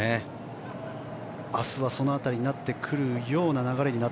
明日は、その辺りになってくるような流れです。